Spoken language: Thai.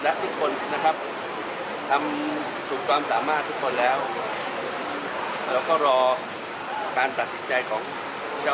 และทุกคนนะครับทำถูกความสามารถทุกคนแล้วเราก็รอการตัดสินใจของเจ้า